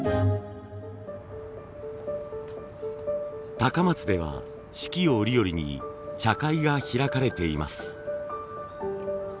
高松では四季折々に茶会が開かれています。